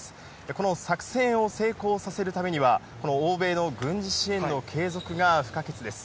この作戦を成功させるためには、欧米の軍事支援の継続が不可欠です。